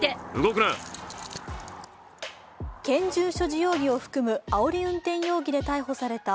拳銃所持容疑を含む、あおり運転容疑で逮捕された